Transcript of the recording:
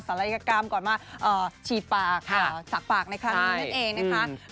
ลัยกรรมก่อนมาฉีดปากสักปากในครั้งนี้นั่นเองนะคะ